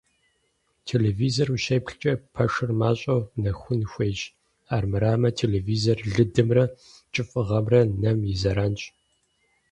Телевизор ущеплъкӀэ пэшыр мащӀэу нэхун хуейщ, армырамэ телевизор лыдымрэ кӀыфӀыгъэмрэ нэм и зэранщ.